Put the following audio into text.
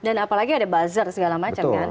dan apalagi ada buzzer segala macam kan